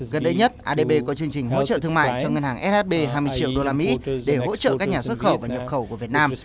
gần đây nhất adb có chương trình hỗ trợ thương mại cho ngân hàng shb hai mươi triệu đô la mỹ để hỗ trợ các nhà xuất khẩu và nhập khẩu của việt nam